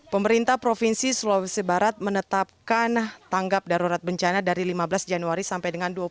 pemerintah provinsi sulawesi barat menetapkan tanggap darurat bencana dari lima belas januari sampai dengan dua puluh delapan januari dua ribu dua puluh